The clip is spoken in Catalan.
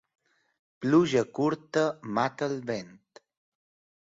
Pluja curta mata el vent.